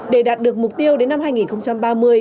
để đạt được mục tiêu đến năm hai nghìn ba mươi